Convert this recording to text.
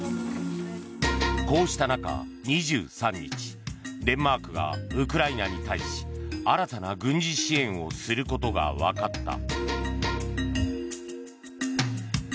こうした中、２３日デンマークがウクライナに対し新たな軍事支援をすることが分かった。